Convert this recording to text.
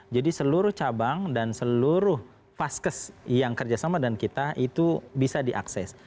jadi seluruh cabang dan seluruh faskes yang kerjasama dengan kita itu bisa diakses